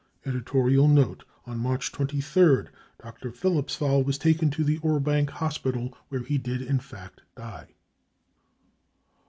(Editorial note : On March 23rd, Dr. Philippsthal was taken to the IJrbank Hospital, where he did in fact die.)